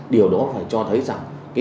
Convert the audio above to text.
điều đó phải cho thấy rằng